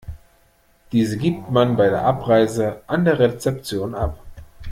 Diese gibt man bei der Abreise an der Rezeption ab.